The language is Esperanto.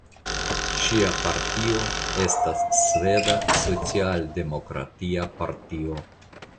Ŝia partio estas Sveda socialdemokratia partio.